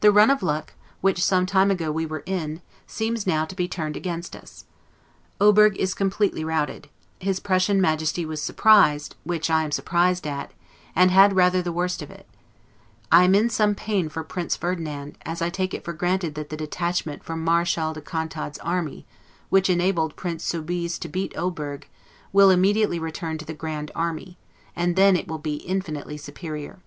The run of luck, which some time ago we were in, seems now to be turned against us. Oberg is completely routed; his Prussian Majesty was surprised (which I am surprised at), and had rather the worst of it. I am in some pain for Prince Ferdinand, as I take it for granted that the detachment from Marechal de Contade's army, which enabled Prince Soubize to beat Oberg, will immediately return to the grand army, and then it will be infinitely superior.